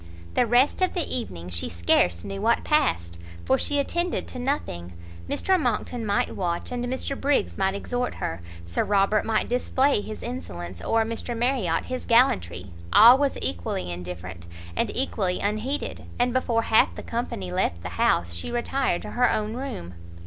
The rest of the evening she scarce knew what passed, for she attended to nothing; Mr Monckton might watch, and Mr Briggs might exhort her, Sir Robert might display his insolence, or Mr Marriot his gallantry, all was equally indifferent, and equally unheeded; and before half the company left the house, she retired to her own room.